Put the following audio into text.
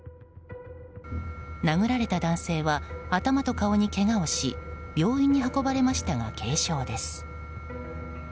殴られた男性は頭と顔にけがをし病院に運ばれましたが軽傷です。